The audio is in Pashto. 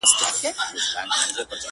په ترخو کي یې لذت بیا د خوږو دی.